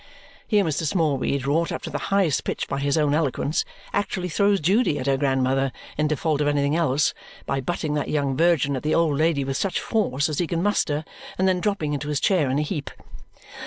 Here Mr. Smallweed, wrought up to the highest pitch by his own eloquence, actually throws Judy at her grandmother in default of anything else, by butting that young virgin at the old lady with such force as he can muster and then dropping into his chair in a heap.